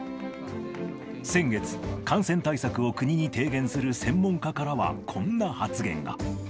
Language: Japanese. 先月、感染対策を国に提言する専門家からは、こんな発言が。